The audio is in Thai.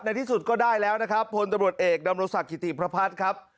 ที่สุดก็ได้แล้วนะครับพลตำรวจเอกดำรงศักดิติพระพัฒน์ครับ